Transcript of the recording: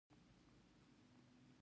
په پیل کې بشر په کارګر او خان وویشل شو